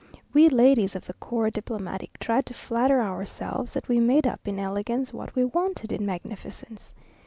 We ladies of the corps diplomatique tried to flatter ourselves that we made up in elegance what we wanted in magnificence!